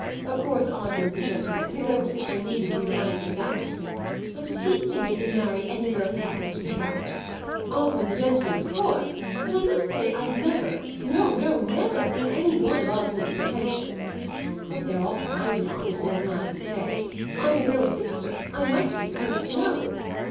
Of course Osmond's a gentleman; his own sister needn't be reminded of that. But does he think he can marry any girl he happens to pick out? Osmond's a gentleman, of course; but I must say I've never, no, no, never, seen any one of Osmond's pretensions! What they're all founded on is more than I can say. I'm his own sister; I might be supposed to know.